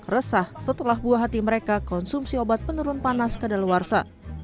resah setelah buah hati mereka konsumsi obat penurun panas ke dalawarsa